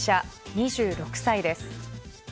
２６歳です。